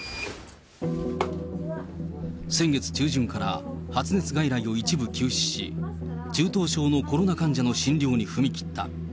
先月中旬から、発熱外来を一部休止し、中等症のコロナ患者の診療に踏み切った。